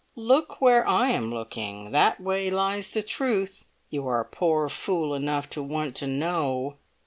Look where I am looking; that way lies the truth you are poor fool enough to want to know!"